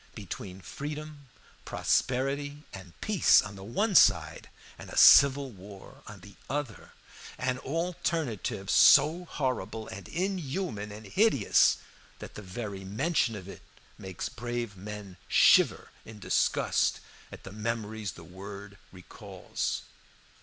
Between freedom, prosperity, and peace on the one side, and a civil war on the other; an alternative so horrible and inhuman and hideous, that the very mention of it makes brave men shiver in disgust at the memories the word recalls.